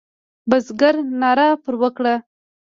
بزګر ناره پر وکړه.